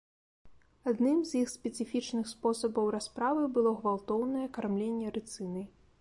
Адным з іх спецыфічных спосабаў расправы было гвалтоўнае кармленне рыцынай.